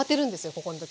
ここの時。